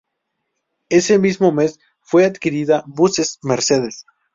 Ese mismo mes, fue adquirida Buses Mercedes.